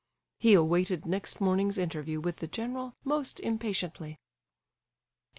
He awaited next morning's interview with the general most impatiently. IV.